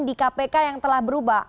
di kpk yang telah berubah